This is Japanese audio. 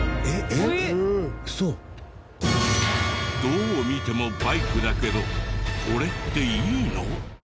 どう見てもバイクだけどこれっていいの？